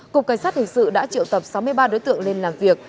cục cảnh sát hình sự đã triệu tập sáu mươi ba đối tượng lên làm việc